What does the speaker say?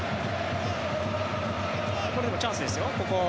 これでもチャンスですよ。